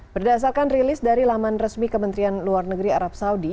berdasarkan rilis dari laman resmi kementerian luar negeri arab saudi